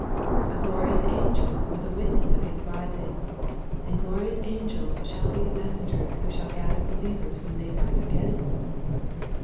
— A glorious angel was a witness of His rising, and glorious angels shall be the messengers who shall gather believers when they rise again.